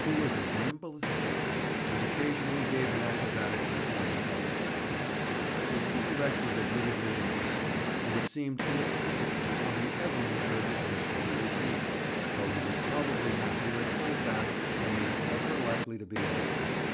He was as nimble as a cat, and occasionally gave an acrobatic performance on the sly. The poor wretch was admittedly an imbecile, and it seems inexplicable how he ever incurred the punishment he received, though he was probably happier at Coldbath than he was ever likely to be elsewhere.